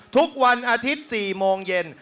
ทุกวันอาทิตย์๔โมงเย็น